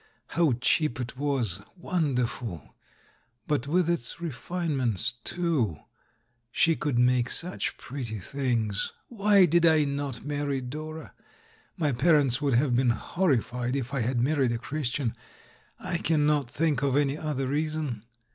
How cheap it was — wonderful! But with its refinements too; she could make such pretty things. Why did I not marry Dora? My parents would have been hor rified if I had married a Christian — I cannot think of any other reason.